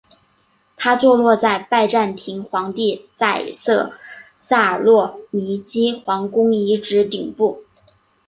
它坐落在拜占庭皇帝在塞萨洛尼基皇宫遗址顶部。